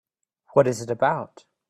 What is it about?